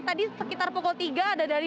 tadi sekitar pukul tiga ada dari